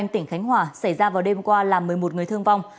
tỉnh khánh hòa xảy ra vào đêm qua làm một mươi một người thương vong